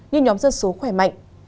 như nhóm dân số khỏe mạnh